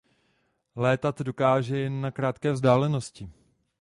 Létat dokáže jen na krátké vzdálenosti.